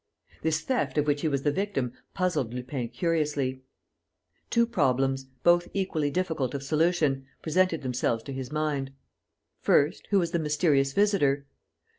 This theft of which he was the victim puzzled Lupin curiously. Two problems, both equally difficult of solution, presented themselves to his mind. First, who was the mysterious visitor?